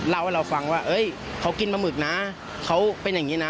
เล่าให้เราฟังว่าเขากินปลาหมึกนะเขาเป็นอย่างนี้นะ